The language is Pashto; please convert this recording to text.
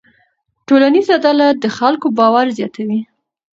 ټولنیز عدالت د خلکو باور زیاتوي.